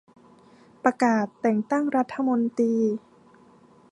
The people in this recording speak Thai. ประกาศแต่งตั้งรัฐมนตรี